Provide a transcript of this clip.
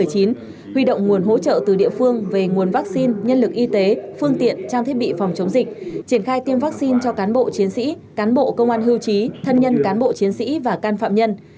huy động nguồn hỗ trợ từ địa phương về nguồn vaccine nhân lực y tế phương tiện trang thiết bị phòng chống dịch triển khai tiêm vaccine cho cán bộ chiến sĩ cán bộ công an hưu trí thân nhân cán bộ chiến sĩ và can phạm nhân